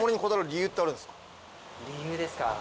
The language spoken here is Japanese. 理由ですか？